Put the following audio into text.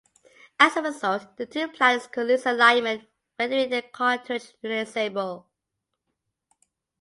As a result, the two platters could lose alignment, rendering the cartridge unusable.